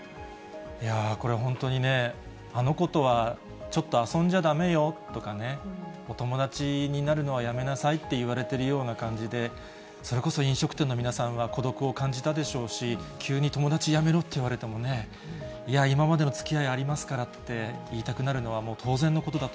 いやぁ、これ、本当にね、あの子とはちょっと遊んじゃだめよとか、お友達になるのはやめなさいって言われてるような感じで、それこそ飲食店の皆さんは孤独を感じたでしょうし、急に友達やめろって言われてもね、いや、今までのつきあいありますからって言いたくなるのはもう当然のこ